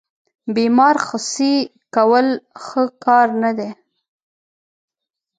بیمار خسي کول ښه کار نه دی.